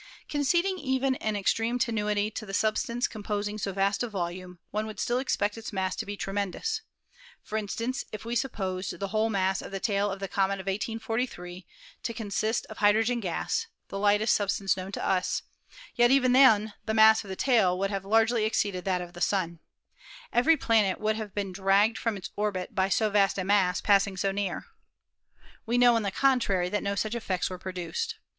Conceding even an extreme tenuity to the substance com posing so vast a volume, one would still expect its mass to be tremendous. For instance, if we supposed the whole mass of the tail of the comet of 1843 to consist of hydro gen gas (the lightest substance known to us), yet even then the mass of the tail would have largely exceeded \\\\\^* Fig 33 — The Tail of a Comet Directed from the Sun. that of the Sun. Every planet would have been dragged from its orbit by so vast a mass passing so near. We know, on the contrary, that no such effects were produced.